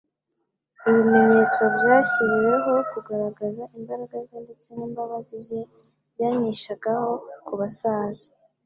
Ibimenyetso byashyiriweho kugaragaza imbaraga ze ndetse n'imbabazi ze, byanishagaho kubasaza.